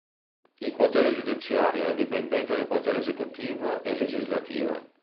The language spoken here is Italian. Il potere giudiziario è indipendente dal potere esecutivo e legislativo.